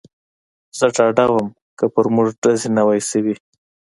زه ډاډه ووم، که پر موږ ډزې نه وای شوې.